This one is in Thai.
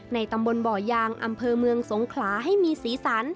ตำบลบ่อยางอำเภอเมืองสงขลาให้มีสีสัน